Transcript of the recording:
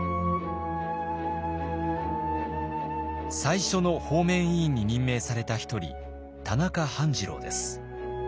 最初の方面委員に任命された一人田中半治郎です。